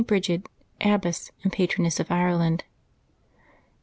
BRIDGID, Abbess, and Patroness of Ireland.